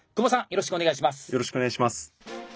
よろしくお願いします。